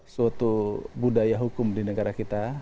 suatu budaya hukum di negara kita